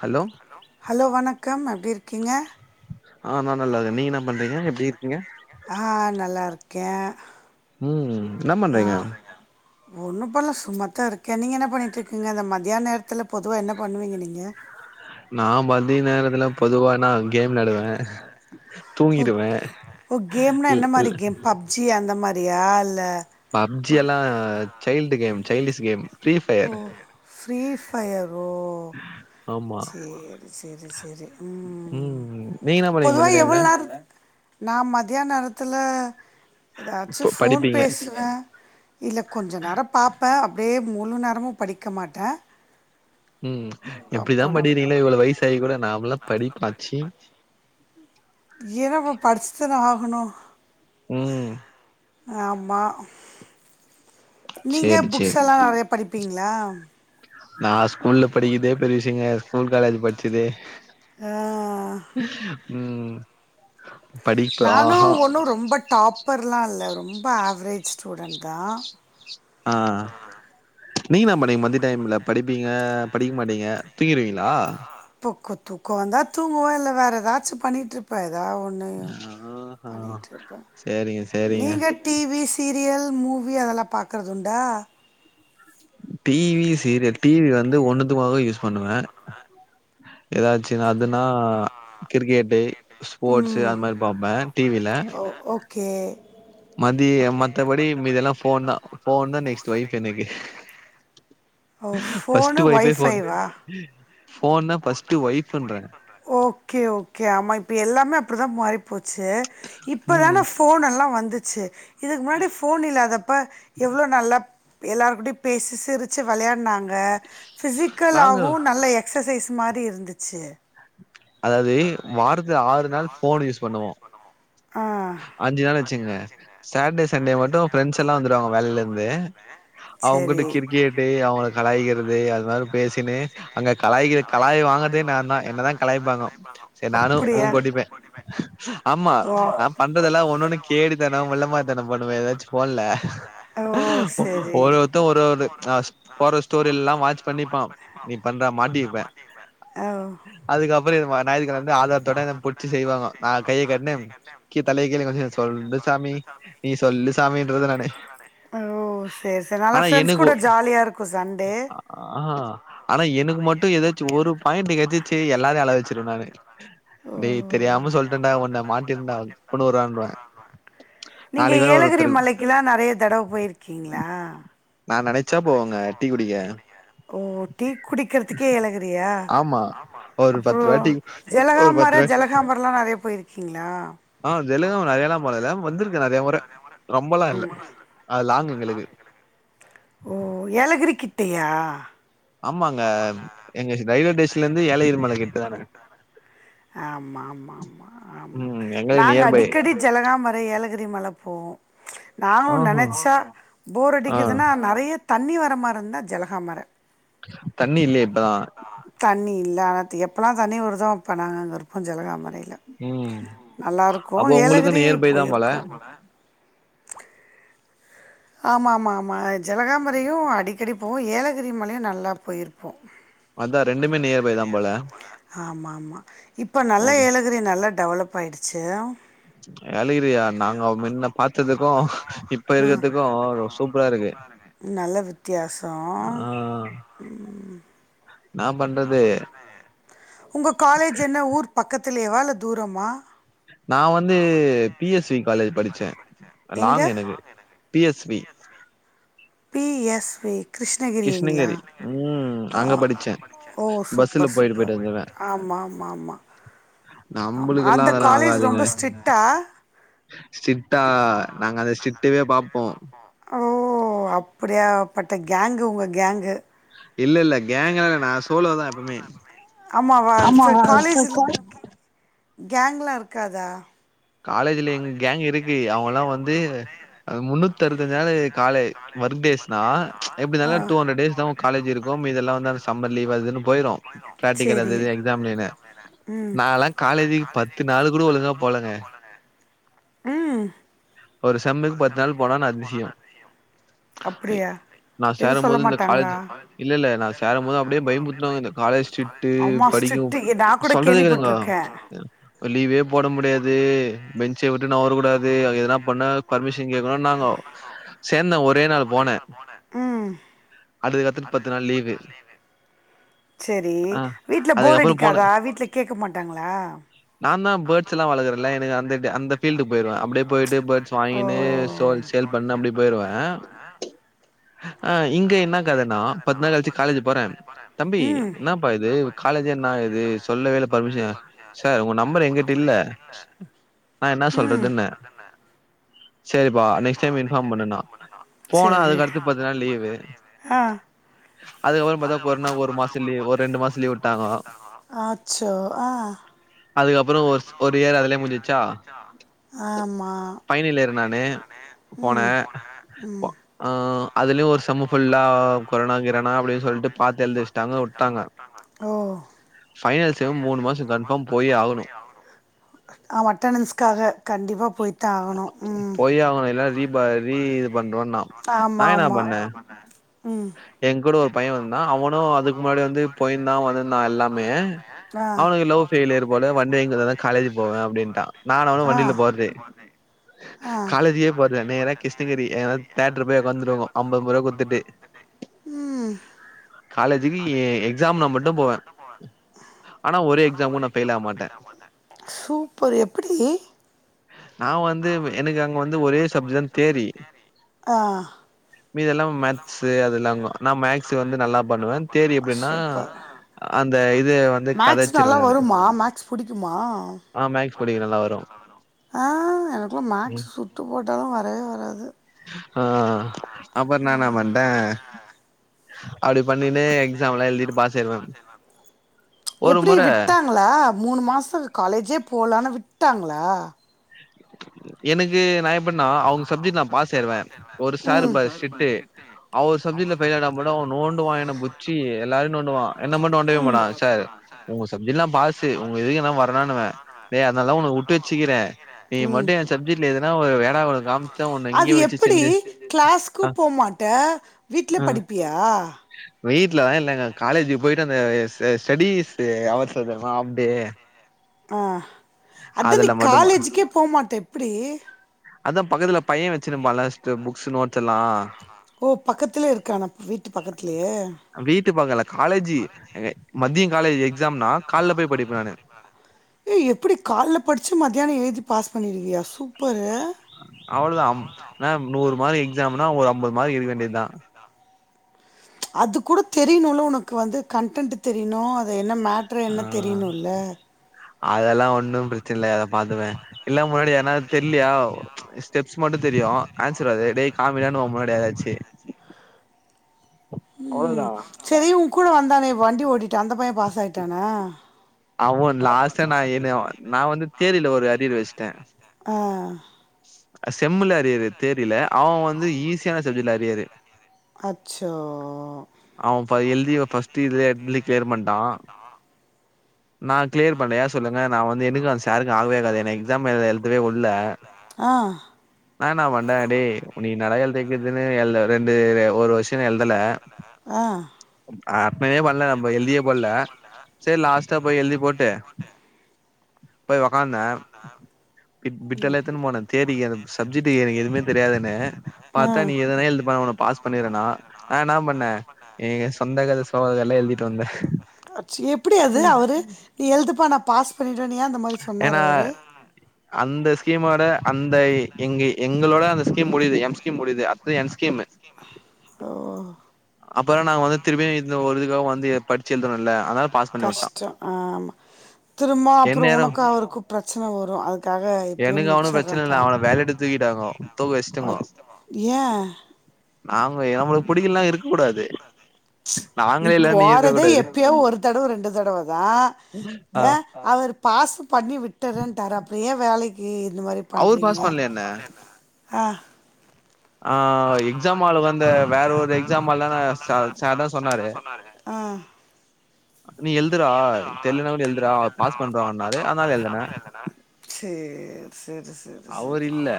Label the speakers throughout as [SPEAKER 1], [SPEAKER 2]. [SPEAKER 1] Hello
[SPEAKER 2] hello வணக்கம் எப்டிருக்கீங்க
[SPEAKER 1] ஆ நான் நல்லாருக்கேன் நீங்க என்ன பண்றீங்க எப்டிருக்கீங்க
[SPEAKER 2] ஆ நல்லாருக்கேன்
[SPEAKER 1] ம் என்ன பண்றீங்க
[SPEAKER 2] ஆன் ஒன்னும் பண்ணல சும்மாத்தா இருக்கேன் நீங்க என்ன பண்ணிகிட்டுருக்கீங்க இந்த மதியான நேரத்தில பொதுவா என்ன பண்ணுவீங்க நீங்க
[SPEAKER 1] நான் மதிய நேரத்துல பொதுவாானா கேம் வெளாடுவேன்
[SPEAKER 2] ஓ ஓ கேம்னா என்ன
[SPEAKER 1] இல்
[SPEAKER 2] மாரி
[SPEAKER 1] இல்
[SPEAKER 2] கேம் பப்ஜி அந்த மாரியா இல்ல
[SPEAKER 1] பப்ஜி எல்லா child game childish game free
[SPEAKER 2] ஓ
[SPEAKER 1] ஃபயர்
[SPEAKER 2] ஃப்ரீஃபயரோ
[SPEAKER 1] ஆமா
[SPEAKER 2] சே சேரி சேரி சேரி ம்
[SPEAKER 1] நீங்க என்ன பண்ணுவீங்க
[SPEAKER 2] பொதுவா
[SPEAKER 1] மதிய
[SPEAKER 2] எவ்ளோ
[SPEAKER 1] டைம்ல
[SPEAKER 2] நேரத் நா மதியா நேரத்துல ஏதாச்சு
[SPEAKER 1] ப
[SPEAKER 2] ஃபோன்
[SPEAKER 1] படிப்பீங்க
[SPEAKER 2] பேசுவேன் இல்ல கொஞ்ச நேரம் பாப்பே அப்டியே முழு நேரமும் படிக்க மாட்டேன்
[SPEAKER 1] ம்
[SPEAKER 2] அப்போ
[SPEAKER 1] எப்டிதான்
[SPEAKER 2] நான்
[SPEAKER 1] படிறீங்களோ இவ்ளோ வயசாகி கூட நாமல்லா படிப்பா ச்சீ
[SPEAKER 2] ஏன்னா இப்ப படிச்சுதானே ஆகுணும்
[SPEAKER 1] ம்
[SPEAKER 2] ஆமா நீங்க
[SPEAKER 1] சேரி சேரி
[SPEAKER 2] புக்ஸல்லாம் நெறைய படிப்பீங்களா
[SPEAKER 1] நான் ஸ்கூல்ல படிக்கதே பெரியவிசயங்க ஸ்கூல் காலேஜ் படிச்சது
[SPEAKER 2] ஆ,
[SPEAKER 1] ம் படிப்பு
[SPEAKER 2] நானு
[SPEAKER 1] ஆஹா
[SPEAKER 2] ஒன்னும் ரொம்ப டாப்பர்லா இல்ல ரொம்ப ஆவரேஜ் ஸ்டூடண்ட் தான்
[SPEAKER 1] ஆ நீங்க என்ன பண்ணுவீங்க மத்திய டைம்ல படிப்பீங்க படிக்க மாட்டீங்க தூங்கிருவீங்களா
[SPEAKER 2] பொக்க தூக்கம் வந்தா தூங்குவேன் இல்ல வேற ஏதாச்சு பண்ணிட்டு இருப்ப ஏதா ஒன் ண்ணு
[SPEAKER 1] ஆஹா
[SPEAKER 2] பண்ணிட்ருப்பேன்
[SPEAKER 1] சேரிங்க சேரிங்க
[SPEAKER 2] நீங்க டிவி சீரியல் மூவி அதெல்லா பாக்கறதுண்டா
[SPEAKER 1] டிவி சீரியல் டிவி வந்து ஒண்ணுதுக்கமா யூஸ் பண்ணுவேன் ஏதாச்சு அதுனா கிரிக்கெட்டு ஸ்போர்ட்ஷூ
[SPEAKER 2] ம்
[SPEAKER 1] அது மாரி பாப்பன்
[SPEAKER 2] ஓ ஓகே
[SPEAKER 1] மதிய மத்தபடி மீதியெல்லாம் போன் தான் போன் தா நெக்ஸ்ட் வைஃப் எனக்கு
[SPEAKER 2] ஓ ஃபோனு
[SPEAKER 1] ஃப்ஸ்ட்டு ஒய்ஃபே ஃபோன்
[SPEAKER 2] ஒய்ஃபைவா
[SPEAKER 1] ஃபோன் தா ஃப்ஸ்ட்டு ஒய்ஃப்ன்ற
[SPEAKER 2] ஓகே ஓகே ஆமா இப்ப எல்லாமே அப்படிதா மாறி போச்சு
[SPEAKER 1] ம்
[SPEAKER 2] இப்பதான ஃபோனெல்லா வந்துச்சு இதுக்கு முன்னாடி ஃபோன் இல்லாதப்ப எவ்ளோ நல்லா எல்லாருகூடயு பேசி சிரிச்சு விளையாடுனாங்க
[SPEAKER 1] நாங்க
[SPEAKER 2] பிசிக்கலாவு நல்ல எ எக்ஸசைஸ் மாரி இருந்துச்சு
[SPEAKER 1] அதது வாரத்துல ஆறு நாள் ஓபோன் யூஸ் பண்ணுவோ
[SPEAKER 2] ஆ.
[SPEAKER 1] அஞ்சு நாள் வச்சுங்க சட்டடே சண்டே மட்டு ஃப்ரெண்ட்ஸ் எல்லா வந்துருவாங்க வேலைலந்நு அவங்கிட்ட
[SPEAKER 2] சரி.
[SPEAKER 1] கிரிக்கெட்டு அவங்க கலாயாக்கிறது அது மாரி பேசின்னு அங்க கலாய்க்கு கலாய் வாங்கறதே நாந்தா என்னதா கலாய்ப்பாங்க சேரி நானு உ
[SPEAKER 2] அப்படியா?
[SPEAKER 1] கொட்டிப்பே ஆம்மா
[SPEAKER 2] ஓ!
[SPEAKER 1] நா பண்றதெல்லா ஒன்னு ஒண்ணு கேடித்தனோ மொள்ளமாறிதனோ பண்ணுவே ஏதாச்சு ஃபோன்ல
[SPEAKER 2] ஓ!
[SPEAKER 1] ஒரு
[SPEAKER 2] சரி.
[SPEAKER 1] ஒருத்த ஒரு ஒரு ஆ போற ஸ்டோரில்லா வாட்ச் பண்ணிப்பா நீ பண்ற மாட்டிருப்ப
[SPEAKER 2] அவ்
[SPEAKER 1] அதுக்கப்பறோ நாயகந்து ஆதாரத்தோட என்ன புடிச்சு செய்வாங்க நா கையை கட்ன்னு கீ தலை கீழ கொஞ்சோ சொல்லு சாமி நீ சொல்லு சாமின்றது நானு
[SPEAKER 2] ஓ சரி சரி நல்லா
[SPEAKER 1] ஆனா
[SPEAKER 2] ஃப்ரெண்ட்ஸ்
[SPEAKER 1] எனக்கு
[SPEAKER 2] கூட ஜாலியா இருக்கு சண்டே
[SPEAKER 1] ஆ ஆனா எனக்கு மட்டு எதாச்சு ஒரு பாய்ண்டு கெட்ச்சுச்சி எல்லாரையு அழ வச்சு சிருவ நானு
[SPEAKER 2] ஓ
[SPEAKER 1] டேய் தெரியாம சொல்ட டா உன்ன மாட்டிருந்தா கூட வருவான்வ‌ நாளைக்கு வேற ஒருத்தரு
[SPEAKER 2] இதா நெறைய தடவ போய்ருக்கீங்ளா
[SPEAKER 1] நா நெனச்சா போவங்க டி
[SPEAKER 2] ஓ டீ குடிக்கிறதுக்கே ஏழகிறியா
[SPEAKER 1] ஆமா ஒரு பத்து ரூவா
[SPEAKER 2] அப்பறோம்
[SPEAKER 1] டீ ஒரு பத்து
[SPEAKER 2] ஜலகாம்பர
[SPEAKER 1] ரூவா
[SPEAKER 2] ஜெலகாம்பரோல்லா நெறைய போய்ருக்கீங்ளா
[SPEAKER 1] ஆ ஜெலங்காம நெறையலா போனதுல்ல வந்திருக்க நெறைய முறை ரொம்பல்லா இல்ல அது லாங்கு எங்களுக்கு
[SPEAKER 2] ஓ ஏலகிரி கிட்டையா
[SPEAKER 1] ஆமாங்க எங்க ரயில்வே ஸ்டேஷன்ல இருந்து ஏழகிரி மல கிட்ட தான
[SPEAKER 2] ஆமாமா ஆமாமா ஆமா
[SPEAKER 1] ம் எங்களுக்கு
[SPEAKER 2] நாங்க
[SPEAKER 1] நியர்பை
[SPEAKER 2] அடிக்கடி ஜலகாமரை ஏலகிரி மல போவோ நாங்களு‌
[SPEAKER 1] ஆஹா
[SPEAKER 2] நெனச்சா‌ போர்
[SPEAKER 1] ஆ
[SPEAKER 2] அடிக்குதுன்னா நறைய தண்ணி வர மாறிந்தா ஜலகாமர
[SPEAKER 1] தண்ணி இல்லையே இப்பதா
[SPEAKER 2] தண்ணி இல்ல ஆனா எப்பல்லா தண்ணி வருதோ அப்ப நாங்க அங்க இருப்போ ஜலகாமரைல
[SPEAKER 1] ம்
[SPEAKER 2] நல்லா இருக்கு
[SPEAKER 1] அப்போ உங்களுக்கு
[SPEAKER 2] ஏலகிரி
[SPEAKER 1] நியர்பை தா போல
[SPEAKER 2] போய்ருக்கோ ஆமாமாமா ஆமா ஜலகாம்பரையு அடிக்கடி போவோ ஏலகிரி மலையு நல்லா போயிருப்போ
[SPEAKER 1] அதா ரெண்டுமே நியர்பை தா போல
[SPEAKER 2] ஆமா ஆமா இப்ப நல்ல
[SPEAKER 1] ஓகே
[SPEAKER 2] ஏலகிரி நல்லா டெவலப் பாய்டுச்சு
[SPEAKER 1] எழகிரியா நாங்க மின்ன பாத்ததுக்கு இப்ப இருக்கதுக்
[SPEAKER 2] நல்ல வித்தியாசோ
[SPEAKER 1] ஆ
[SPEAKER 2] ம்
[SPEAKER 1] என்னா பண்றது
[SPEAKER 2] உங்க காலேஜ் என்ன ஊர் பக்கத்திலேவா இல்ல தூரமா
[SPEAKER 1] நா வந்து பிஎஸ்வி காலேஜ் படிச்ச
[SPEAKER 2] எங்க
[SPEAKER 1] லாங்கு எனக்கு பிஎஸ்வி
[SPEAKER 2] பிஎஸ்வி கிருஷ்ணகிரிங்ளா
[SPEAKER 1] கிருஷ்ணகிரி ம்
[SPEAKER 2] ஆ
[SPEAKER 1] அங்க படிச்சே
[SPEAKER 2] ஓ
[SPEAKER 1] பஸ்ல
[SPEAKER 2] சூப்பர்
[SPEAKER 1] போயிட்டு
[SPEAKER 2] சூப்பர்‌
[SPEAKER 1] போயிட்டு வந்துருவே
[SPEAKER 2] ஆமாமாமா ஆமா
[SPEAKER 1] நம்பளுக்கெல்லா
[SPEAKER 2] அந்த
[SPEAKER 1] அதெல்லா
[SPEAKER 2] காலேஜ் ரொம்ப ஸ்ட்ரிட்டா
[SPEAKER 1] ஸ்டிரிட்டா நாங்க அத ஸ்டிட்டவே பாப்போ
[SPEAKER 2] ஓ அப்டியாப்பட்ட கேங்கு உங்க கேங்கு
[SPEAKER 1] இல்ல இல்ல கேங்கல இல்ல நான் சோலோதான் எப்பமே
[SPEAKER 2] ஆமா வா சரி
[SPEAKER 1] இப்ப
[SPEAKER 2] காலேஜில
[SPEAKER 1] கா
[SPEAKER 2] கேங்லாம் இருக்காதா
[SPEAKER 1] காலேஜ்ல எங்க கேங் இருக்கு அவங்க எல்லாம் வந்து முன்னூத்தி அறுத்தஞ்சு நாளு காலேஜ் ஒர்க் டேஸ்னா
[SPEAKER 2] ஆ
[SPEAKER 1] எப்டினாலும் டூ ஹன்ரட் டேஸ்தா காலேஜ் இருக்கும் மீதில்லாம் வந்து அந்த சம்மர் லீவ் அது இதுன்னு போயிரும் பிராக்டிக்கல்
[SPEAKER 2] சரி
[SPEAKER 1] அது இது எக்ஸாம் அப்டினு
[SPEAKER 2] ம்
[SPEAKER 1] நாலாம் காலேஜுக்கு பத்து நாள் கூட ஒழுங்கா போலங்க
[SPEAKER 2] ம்
[SPEAKER 1] ஒரு செம்முக்கு பத்து நாள் போனா நா அதிசயம்
[SPEAKER 2] அப்டியா
[SPEAKER 1] நான் சேரும் போது இந்த காலேஜ் இல்ல இல்ல நான் சேரும் போது அப்டியே பயம்முருத்துவாங்க இந்த காலேஜ் ஸ்ட்ரிக்ட் டு
[SPEAKER 2] அம்மா
[SPEAKER 1] படிக்கும்
[SPEAKER 2] ஸ்ட்ரிக்ட்டு நான் கூட சொன்னாங்க
[SPEAKER 1] சொல்றதே கேளுங்க
[SPEAKER 2] கேள்விப்பட்டிருக்கேன்
[SPEAKER 1] இப்ப லீவே போட முடியாது பெஞ்ச விட்டு நவரக்கூடாது எதுனா
[SPEAKER 2] அங்க யாராவது பெர்மிஸ்ஸின் கேட்டு வந்தாகணும் சரி நா ஒரே நாள் போனே உம்
[SPEAKER 1] அடு கத்துட்டு பத்து நாள் லீவு
[SPEAKER 2] சரி
[SPEAKER 1] ஆ.
[SPEAKER 2] வீட்டுல போர்
[SPEAKER 1] அதுக்கப்புறம் போனேன்.
[SPEAKER 2] அடிக்காதா வீட்டுல கேட்க மாட்டாங்களா
[SPEAKER 1] நான் தான் பேட்ஸ் எல்லாம் வலக்கறல எனக்கு அந்த அந்த ஃபீல்ட் க்கு போயிடுவேன் அப்படியே போயிட்டு பேர்ட்
[SPEAKER 2] ஓ
[SPEAKER 1] வாங்கின்னு சோல் சேல் பண்ண அப்டி போயிருவேன் ஆ இங்க என்னக்கதனா பத்து நாள் கழிச்சி காலேஜ் போறேன் தம்பி
[SPEAKER 2] ம்
[SPEAKER 1] என்ன பா இது காலேஜ் என்ன இது சொல்லவே இல்ல பர்மிஷன் சார் உங்க நம்பர் எங்கிட்ட இல்ல நா என்ன
[SPEAKER 2] ம்
[SPEAKER 1] சொல்றதுன்னே சரிப்பா நெக்ஸ்ட் டைம் இன்ஃபாம் பண்ணு னா போனா
[SPEAKER 2] சரி
[SPEAKER 1] அதுக்கடுத்து பத்து நாள் லீவு
[SPEAKER 2] ஆ
[SPEAKER 1] அதுக்கப்புறம் பாத்தா கொரோனா ஒரு மாசம் லீவ் ஒரு ரெண்டு மாசம் லீவ் விட்டாங்கோ
[SPEAKER 2] ஆச்சோ ஆ
[SPEAKER 1] அதுக்கப்புறம் ஒரு ஸ் ஒரு இயர் அதுலயே முடிஞ்சிச்சா
[SPEAKER 2] ஆமா
[SPEAKER 1] ஃபைனலியர் நானு போனே
[SPEAKER 2] ம் போனேன். ம்
[SPEAKER 1] அதுலயும் ஒரு செம் ஃபுல்லா கொரனா கிறானா அப்டின்னு சொல்லிட்டு பாத்து எழுத வச்சிட்டாங்க உட்டாங்க
[SPEAKER 2] ஓ
[SPEAKER 1] ஃபைனல் செம் மூணு மாசம் கன்பாம் போயே ஆகணும்
[SPEAKER 2] அவ அட்டண்டன்ஸ்க்காக கண்டிப்பா போய் தான் ஆகணும் ம்
[SPEAKER 1] போயே ஆவணும் இல்லனா ரீ ப ரீ இது பண்றவ நா
[SPEAKER 2] வரணும்னு ஆமா
[SPEAKER 1] நான் என்ன
[SPEAKER 2] ஆமா
[SPEAKER 1] பண்ணேன்
[SPEAKER 2] கல்யாணம் ம்
[SPEAKER 1] எ கூட
[SPEAKER 2] இன்னும்
[SPEAKER 1] ஒரு பையன் வந்தா அவனும் அதுக்கு முன்னாடி வந்து போயிருந்தான் வந்திருந்தான் எல்லாமே
[SPEAKER 2] ஆ
[SPEAKER 1] அவனுக்கு லவ்ஃபெலியர் போல வண்டி வாங்கி தந்தாதா காலேஜ் போவேன் அப்படின்ட்டான் நானு அவுனு
[SPEAKER 2] ஆ
[SPEAKER 1] வண்டியில
[SPEAKER 2] நானும்
[SPEAKER 1] போறது
[SPEAKER 2] போனேன். ஆ
[SPEAKER 1] காலேஜே போறல நேர கிருஷ்ணகிரி ஏது தேட்டரு போய் ஒக்காந்துருவோ ஐம்பது ரூபா கொத்துட்டு
[SPEAKER 2] ம்
[SPEAKER 1] காலேஜுக்கு
[SPEAKER 2] காலேஜ் க்கு
[SPEAKER 1] எக்ஸாம்னா
[SPEAKER 2] எக்ஸாம் னா
[SPEAKER 1] போவேன்
[SPEAKER 2] மட்டும் போவன் ஆனா ஒரு எக்ஸாம் கூட பெயில் ஆக மாட்டேன் சூப்பர் எப்டி
[SPEAKER 1] நான் வந்து எனக்கு அங்க வந்து ஒரே சப்ஜ தான் தேறி
[SPEAKER 2] ஆ
[SPEAKER 1] மீதுல்லாம மக்ஸ் அது எல்லாங்க நான் மேக்ஸ் வந்து நல்லா பண்ணுவேன் தேரி எப்டின்னா
[SPEAKER 2] சூப்பர்
[SPEAKER 1] அந்த இது வந்து
[SPEAKER 2] மேக்ஸ் நல்லா
[SPEAKER 1] கதைச்சிருவெ நானு
[SPEAKER 2] வருமா மேக்ஸ் புடிக்குமா
[SPEAKER 1] ஆ மேக்ஸ் படிக்க நல்லா வரும்
[SPEAKER 2] ஆ எனக்கு லாம் மேக்ஸ் சுத்து போட்டாலு வரவே வராது
[SPEAKER 1] ஆ அப்புறோ நா என்ன பண்ட்டே அப்டி பண்ணினே எக்ஸாம் எல்லா எழுதிட்டு பாஸ் ஆயிருவே ஒரு முறை
[SPEAKER 2] உங்கள மூணு மாசத்துக்கு காலேஜே போலானு விட்டாங்களா
[SPEAKER 1] எனக்கு நா எப்டினா அவுங்க சப்ஜெக்ட் நா பாஸ் ஆயிடுவே ஒரு சார் இருப்பாரு ஸ்ட்ரிட்டு அவர் சப்ஜெக்ட்ல பெய்ல் ஆனா மட்டு அவன் நோண்டுவான் என்ன புச்சி எல்லாரையு நோண்டுவான் என்ன மட்டு நோண்டவே மாட்டான் சார் உங்க சப்ஜெக்ட் எல்லா பாசு உங்க இதுக்கு நா வரனானுவன் டேய் அதனால தா ஒன்னை விட்டு வச்சுக்கிறேன் நீ
[SPEAKER 2] ம்
[SPEAKER 1] மட்டு என் சப்ஜெட்டுல எதுனா ஒரு ஏடா கூடோ கா
[SPEAKER 2] அது எப்டி கிளாஸ்க்கு
[SPEAKER 1] ஆ
[SPEAKER 2] போமாட்ட வீட்ல
[SPEAKER 1] ஆ
[SPEAKER 2] படிப்பியா
[SPEAKER 1] வீட்லலா இல்லங்க காலேஜக்கு போயிட்டு அந்த ஸ்டெடிஸு ஹவர்ஸ் வரு தெரியுமா ஆஃப் டே
[SPEAKER 2] ஆ அதா நீ
[SPEAKER 1] அதுல மட்டுமா
[SPEAKER 2] காலேஜுக்கே போமாட்டே எப்டி
[SPEAKER 1] அதா பக்கத்துல பையென் வச்சுருப்பான்ல ஃபர்ஸ்ட்டு புக்ஸு நோட்ஸ் எல்லா
[SPEAKER 2] ஓ பக்கத்துலயே இருக்கானா வீட்டு பக்கத்துலயே
[SPEAKER 1] வீட்டு பக்கம் இல்ல காலேஜு எங்க மத்தியோம் காலேஜ் எக்ஸாம்னா கால்ல போய் படிப்பே நானு
[SPEAKER 2] ஏய் எப்டி கால்ல படிச்சி மத்தியானோ எழுதி பாஸ் பண்ணிருவியா சூப்பரு
[SPEAKER 1] அவ்ளோதா என்ன நூறு மார்க் எக்ஸாம்னா ஒரு அம்பது மார்க் எடுக்க வேண்டியதா
[SPEAKER 2] அதுக்கூட தெரியணும்ல உனக்கு வந்து கன்டென்ட் தெரியணு அது என்ன மேட்
[SPEAKER 1] ஆ அதெல்லா ஒன்னு பிரச்சனை இல்ல அத பாத்துபே இல்ல முன்னாடி யார்னாலு தெரிலயா ஸ்டெப்ஸ் மட்டு தெரியு ஆன்சர் வருது டேய் காமிடானு ஓன் முன்னாடி எதாச்சு
[SPEAKER 2] ம் சேரி உன் கூட வந்தானே வண்டி ஓட்டிட்டு அந்த பையென் பாஸ் ஆயிட்டானா
[SPEAKER 1] அவன் லாஸ்டா நா என்ன நா வந்து தியரில்ல ஒரு அரியர் வச்சுட்டே
[SPEAKER 2] ஆ
[SPEAKER 1] அது செம்முல அரியரு தியரில அவன்‌ வந்து ஈஸியான சப்ஜெட்ல அரியரு
[SPEAKER 2] அச்சோ
[SPEAKER 1] அவன் பாதி எழுதி ஃபர்ஸ்ட்டு இதுலயே [unintelligible] கிளியர் பண்ணிட்டான் நான் கிளியர் பண்ணல ஏன் சொல்லுங்க நா வந்து எனக்கு அந்த சாருக்கு ஆகவே ஆகாது என்னை எக்ஸாம் ஹால்ல எழ்தவே உட்ல
[SPEAKER 2] ஆ
[SPEAKER 1] நான் என்ன பண்ட்டே டேய் நீ என்னடா எழ்தி வக்கிர்துனு எழ்த ரெண்டு ஒரு வர்ஷோ நீ எழ்தல
[SPEAKER 2] ஆ
[SPEAKER 1] அது அட்னனே பண்ணல நம்ப எழ்தியே போட்ல செரி லாஸ் சரி போய் எழுதி போட்டு போய் ஒக்காந்தே பிட்
[SPEAKER 2] ம்
[SPEAKER 1] பிட்டெல்லா எத்துனு போனே தியரி அந்த சப்ஜெக்டுகு எனக்கு எதுவுமே தெரியாதுனு பாத்தா நீ எதனா
[SPEAKER 2] ஆ
[SPEAKER 1] எழுதுப்பா உன்ன பாஸ் பண்ணிற நா நா என்ன பண்ணே எங்க சொந்த கத சோக கதல்லா எழ்திட்டு வந்தேன்
[SPEAKER 2] எப்டி அது அவரு நீ எழுதுப்பா நா பாஸ் பண்ணிட்றேனு ஏன் அந்த மா
[SPEAKER 1] ஏன்னா அந்த ஸ்கீமோட அந்த எங்க எங்களோட அந்த ஸ்கீம் முடியுது எம் ஸ்கீம் முடியுது அத்தது என் ஸ்கீமு
[SPEAKER 2] ஓ
[SPEAKER 1] அப்பனா நாங்க வந்து திரும்பியு இந்த‌ ஒரு இதுக்காக வந்து படிச்சு எழுதணுல்ல அதனால பாஸ் பண்ணி வுட்டா
[SPEAKER 2] கஷ்டோ ஆமா திரும்ப அப்பறோ
[SPEAKER 1] எந்நேரோ
[SPEAKER 2] உனக்கு அவருக்கு பிரச்சனை வரு அதுக்காக இப்பபே
[SPEAKER 1] எனக்கு அவனு பிரச்சன இல்ல
[SPEAKER 2] முடிச்சிறேப்பா
[SPEAKER 1] அவன வேலையட்டு தூக்கிட்டாங்கோ
[SPEAKER 2] ஏன்
[SPEAKER 1] ஆமுங்கோ நம்ளுக்கு பிடிக்கல்லனா இருக்க கூடாது
[SPEAKER 2] நீ
[SPEAKER 1] நாங்களே இல்ல இருக்க
[SPEAKER 2] போறதே
[SPEAKER 1] கூடாது
[SPEAKER 2] எப்பயோ ஒரு தடவ ரெண்டு தடவ தா ஆ அவரு பாசு பண்ணி விட்டுறேன்ட்டாரு அப்பறோ ஏன் வேலைக்கு இந்த மாரி
[SPEAKER 1] அவரு
[SPEAKER 2] பண்றீங்க
[SPEAKER 1] பாஸ் பண்ல என்ன
[SPEAKER 2] ஆ
[SPEAKER 1] ஆ எக்ஸாம் ஹாலுக்கு வந்த வேற ஒரு எக்ஸாம் ஹாலுக்கான சா சார் தா சொன்னாரு
[SPEAKER 2] ஆ
[SPEAKER 1] நீ எழுதுறா தெர்லனா கூட எழுதுறா பாஸ் பண்றோனாரு அதனால எழுதுனே
[SPEAKER 2] சேர் சேர் சேர்
[SPEAKER 1] அவரு
[SPEAKER 2] சேர்
[SPEAKER 1] இல்ல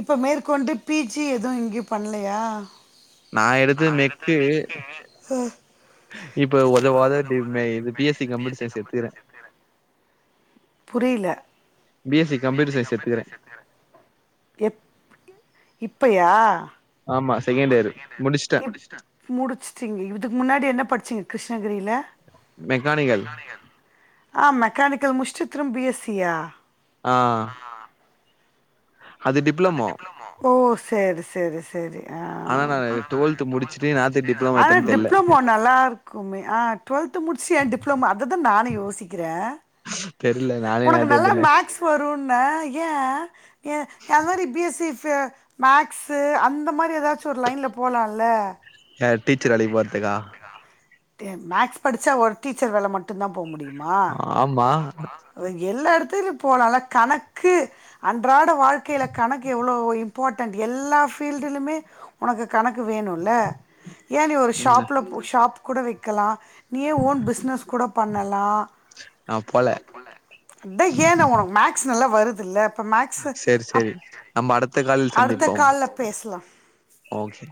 [SPEAKER 2] இப்ப மேற்கொண்டு பி ஜி எவு இங்க பண்லயா
[SPEAKER 1] நா எடுத்தது மெக்கு
[SPEAKER 2] அஹ்,
[SPEAKER 1] இப்ப உதவாத டி மே இது B S C computer science எத்துக்கிறே
[SPEAKER 2] புரில
[SPEAKER 1] B S C computer science எத்துக்கிறே
[SPEAKER 2] எப் இப்பயா
[SPEAKER 1] ஆமா செகண்ட் இயரு முடிச்டே
[SPEAKER 2] முடிச்சிட்டீங்க இதுக்கு ‌முன்னாடி என்ன படிசிங்க கிருஷ்ணகிரியில
[SPEAKER 1] மெக்கானிக்கல்
[SPEAKER 2] ஆ மெக்கானிக்கல் முடிச்சிட்டு திரும் பி எஸ் சியா
[SPEAKER 1] ஆ அது டிப்ளமோ
[SPEAKER 2] ஓ சேரி சேரி சேரி அ
[SPEAKER 1] ஆனா நா டுவெல்த் முடிச்சுட்டு என்னாத்துக்கு டிப்ளமோ
[SPEAKER 2] ஆன
[SPEAKER 1] எத்தேன்னு தெர்ல
[SPEAKER 2] டிப்ளமோ நல்லா இருக்குமே ஆ டுவெல்த்து முடிச்சியா டிப்ளமா அத தா நானு யோசிக்கிறே
[SPEAKER 1] தெர்ல நானே நேத்து [unintelligible]
[SPEAKER 2] மேக்ஸ் வருன்ன ஏ ஏ அது மாரி B S C if maths அந்த மாரி எதாச்சு ஒரு லைன்ல போலால
[SPEAKER 1] யார் டீச்சர் வேலைக்கு போறதுக்கா
[SPEAKER 2] டே மேக்ஸ் படிச்சா‌ ஒரு டீச்சர் வேல மட்டுதா போ முடிமா
[SPEAKER 1] ஆமா
[SPEAKER 2] எல்லா எடத்திலு போலால கணக்கு அன்றாட வாழ்க்கையில கணக்கு எவ்ளோ இம்பார்ட்டன்ட் எல்லா ஃபீல்டுலுமே ஒனக்கு கணக்கு வேணுல ஏ நீ ஒரு
[SPEAKER 1] ம்
[SPEAKER 2] ஷாப்ல ஷாப் கூட வெக்கலா நீயே ஓன் பிஸ்னஸ் கூட பண்ணலா
[SPEAKER 1] நா போல
[SPEAKER 2] அத்தா ஏ டா ஒனக்கு மேக்ஸ் நல்லா வருதில்ல இப்ப மேக்ஸு
[SPEAKER 1] சேரி
[SPEAKER 2] அப்
[SPEAKER 1] சேரி நம்ம அடுத்த காலில்
[SPEAKER 2] அடுத்த
[SPEAKER 1] சந்திப்போம்
[SPEAKER 2] கால்ல பேசுலா
[SPEAKER 1] ஓகே